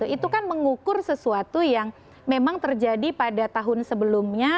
itu kan mengukur sesuatu yang memang terjadi pada tahun sebelumnya